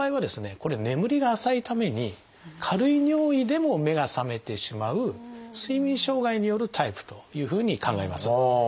これ眠りが浅いために軽い尿意でも目が覚めてしまう睡眠障害によるタイプというふうに考えます。